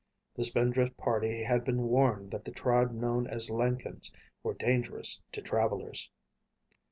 The Spindrift party had been warned that the tribe known as Lenkens were dangerous to travelers.